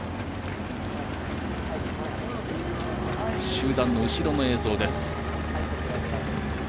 集団の後ろの映像です。